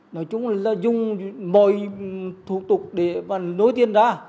nói chung là dùng mọi thủ tục để mà nối tiền ra